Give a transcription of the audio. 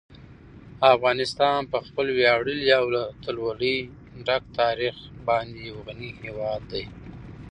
افغانستان په خپل ویاړلي او له اتلولۍ ډک تاریخ باندې یو غني هېواد دی.